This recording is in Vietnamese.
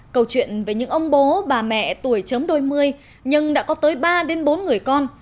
câu chuyện về những ông bố bà mẹ tuổi chấm đôi mươi nhưng đã có tới ba bốn người con